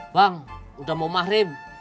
bang udah mau mahrim